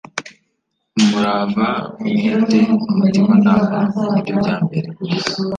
Umurava, umwete umutimanama nibyo byambere